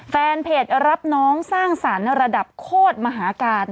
แฟนเพจรับน้องสร้างสรรค์ระดับโคตรมหาการ